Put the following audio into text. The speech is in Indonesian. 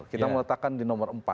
kita meletakkan di nomor empat